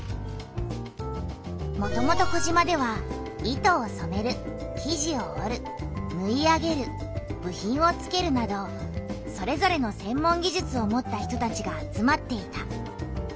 もともと児島では糸をそめる生地を織るぬい上げる部品をつけるなどそれぞれの専門技術を持った人たちが集まっていた。